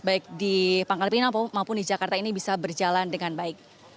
baik di pangkalipina maupun di jakarta ini bisa berjalan dengan baik